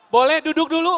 boleh duduk dulu